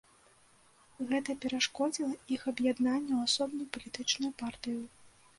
Гэта перашкодзіла іх аб'яднанню ў асобную палітычную партыю.